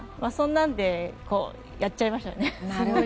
そんなんでやっちゃいましたよね。